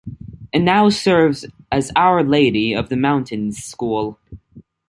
It now serves as Our Lady of the Mountains School.